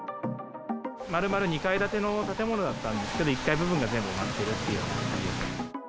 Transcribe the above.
まるまる２階建ての建物だったんですけど、１階部分が全部埋まっているっていうような状況です。